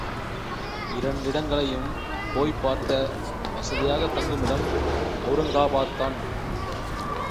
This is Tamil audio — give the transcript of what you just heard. இரண்டிடங்களையும் போய்ப் பார்க்க வசதியாக தங்குமிடம் அவுரங்காபாத்தான்.